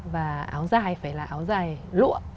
và áo dài phải là áo dài lụa